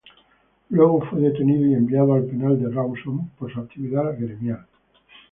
Luego fue detenido y enviado al penal de Rawson por su actividad gremial.